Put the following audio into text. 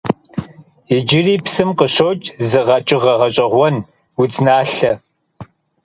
Иджыри псым къыщокӀ зы къэкӀыгъэ гъэщӀэгъуэн - удзналъэ.